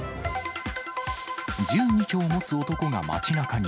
銃２丁持つ男が街なかに。